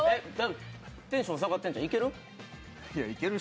テンション下がってんじゃん、いける？